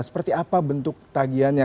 seperti apa bentuk tagihannya